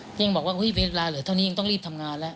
ยังบอกว่าเวลาเหลือเท่านี้ยังต้องรีบทำงานแล้ว